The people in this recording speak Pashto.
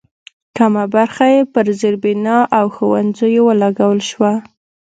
کمه برخه یې پر زېربنا او ښوونځیو ولګول شوه.